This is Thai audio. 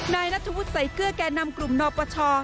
นายนัทธวุฒิใส่เกลือแก่นำกลุ่มนปช